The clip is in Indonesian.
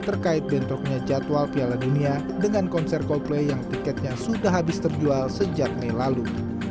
terkait bentroknya jadwal piala dunia dengan konser coldplay yang tiketnya sudah habis terjual sejak mei lalu